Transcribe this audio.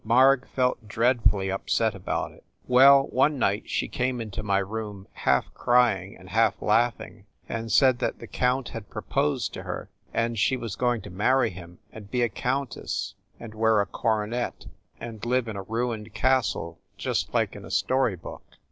Marg felt dreadfully upset about it. Well, one night she came into my room half cry ing and half laughing, and said that the count had proposed to her and she was going to marry him and be a countess and wear a coronet and live in a ruined castle just like in a story book.